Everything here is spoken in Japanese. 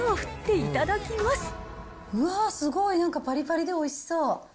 うわー、すごい、なんかぱりぱりでおいしそう。